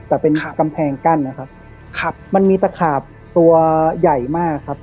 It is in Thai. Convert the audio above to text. แต่เป็นกำแพงกั้นนะครับมันมีตะขาบตัวใหญ่มากครับ